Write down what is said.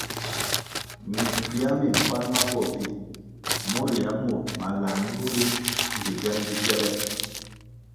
Minkywia mi mpan ma bo vi mur yier mur malãh nlu ri mbpi den bikiele.